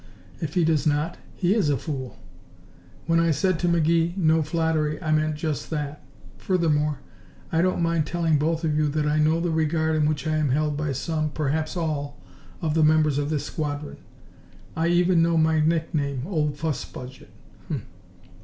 If he does not, he is a fool. When I said to McGee, 'no flattery' I meant just that. Furthermore, I don't mind telling both of you that I know the regard in which I am held by some perhaps all of the members of this squadron. I even know my nickname, 'Old Fuss Budget'.